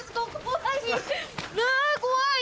怖い。